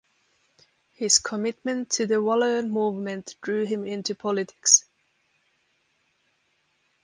His commitment to the Walloon Movement drew him into politics.